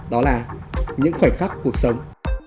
đó là những khoảnh khắc cuộc sống